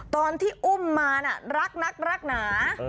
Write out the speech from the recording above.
ตอนที่อุ้มมาน่ะรักนักรักหนา